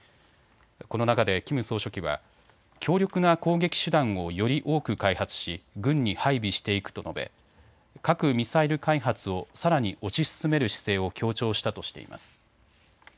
この中でキム総書記は強力な攻撃手段をより多く開発し軍に配備していくと述べ、核・ミサイル開発をさらに推し進める姿勢を強調したとしています。